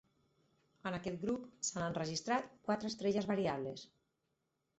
En aquest grup s'han enregistrat quatre estrelles variables.